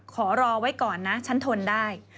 ขอรอไว้ก่อนนะฉันทนได้